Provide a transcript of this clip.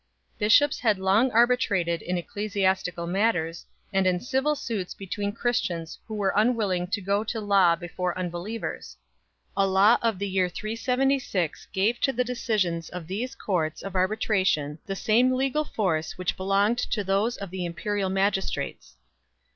Bishops had long arbitrated in ecclesiastical matters, and in civil suits between Christians who were unwilling to go to law before unbelievers; a law of the year 376 gave to the decisions of these courts of arbitration the same legal force which belonged to those of the imperial magistrates 2